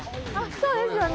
そうですよね。